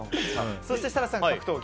そして設楽さんは格闘技。